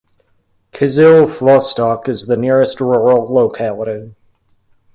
Kyzyl Vostok is the nearest rural locality.